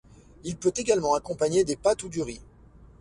Il peut également accompagner des pâtes ou du riz.